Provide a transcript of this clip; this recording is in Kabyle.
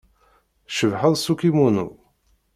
Tcebḥeḍ s ukimunu.